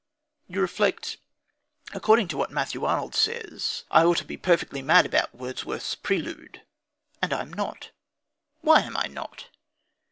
You reflect: "According to what Matthew Arnold says, I ought to be perfectly mad about Wordsworth's Prelude. And I am not. Why am I not?